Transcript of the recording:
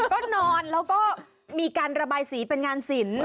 ก็นอนแล้วก็มีการระบายสีเป็นงานสิน